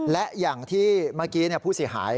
และอย่างที่เมื่อกี้ผู้เสียหาย